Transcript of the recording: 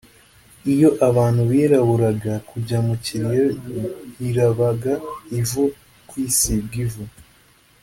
Iyo abantu biraburaga (kujya mu kiriyo) birabaga ivu (kwisiga ivu)